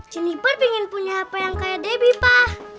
jeniper pengen punya apa yang kayak debbie pak